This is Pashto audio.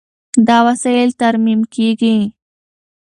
دا وسایل ترمیم کېږي.